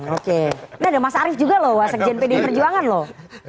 oke ini ada mas arief juga loh wasekjen pdi perjuangan loh